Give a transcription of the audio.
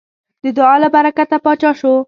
د دعا له برکته پاچا شو.